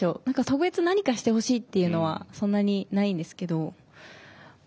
特別何かしてほしいっていうのはそんなにないんですけど。